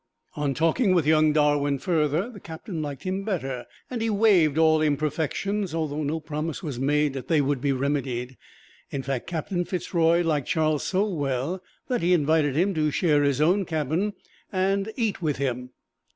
On talking with young Darwin further, the Captain liked him better, and he waived all imperfections, although no promise was made that they would be remedied. In fact, Captain Fitz Roy liked Charles so well that he invited him to share his own cabin and mess with him.